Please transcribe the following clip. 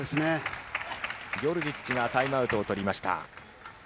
ヨルジッチがタイムアウトを取りました。